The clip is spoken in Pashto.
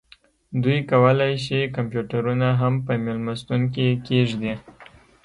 دوی کولی شي کمپیوټرونه هم په میلمستون کې کیږدي